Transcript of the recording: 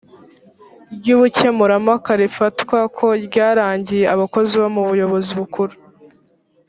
ry ubukemurampaka rifatwa ko ryarangiye abakozi bo mu buyobozi bukuru